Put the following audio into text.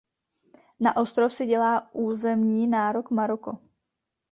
Na ostrov si dělá územní nárok Maroko.